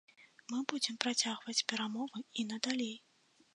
Мы будзе працягваць перамовы і надалей.